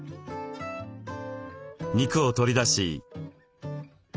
肉を取り出し。